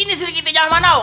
ini sedikitnya jangan panau